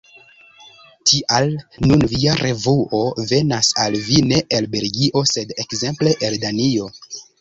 Tial nun via revuo venas al vi ne el Belgio sed ekzemple el Danio.